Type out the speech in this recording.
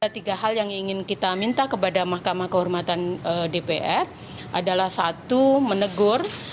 tiga hal yang ingin kita minta kepada mahkamah kehormatan dpr adalah satu menegur